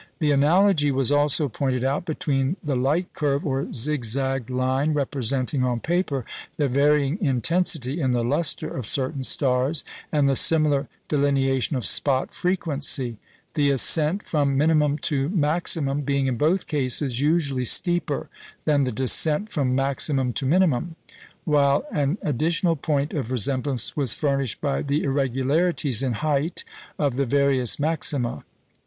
The analogy was also pointed out between the "light curve," or zig zagged line representing on paper the varying intensity in the lustre of certain stars, and the similar delineation of spot frequency; the ascent from minimum to maximum being, in both cases, usually steeper than the descent from maximum to minimum; while an additional point of resemblance was furnished by the irregularities in height of the various maxima.